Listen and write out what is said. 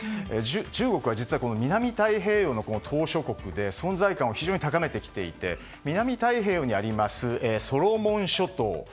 中国は実は南太平洋の島しょ国で存在感を非常に高めてきていて南太平洋にありますソロモン諸島。